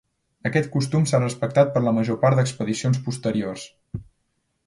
Aquest costum s'ha respectat per la major part d'expedicions posteriors.